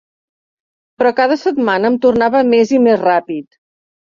Però cada setmana em tornava més i més ràpid.